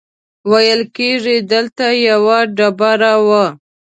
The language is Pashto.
ویل کېږي دلته یوه ډبره وه.